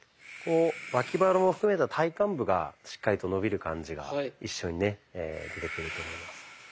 脇腹も含めた体幹部がしっかりと伸びる感じが一緒にね出てくると思います。